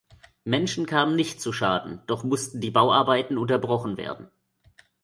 Menschen kamen nicht zu Schaden, doch mussten die Bauarbeiten unterbrochen werden.